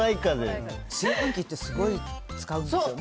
炊飯器ってすごい使うんですよね？